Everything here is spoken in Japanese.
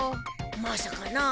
まさかなあ。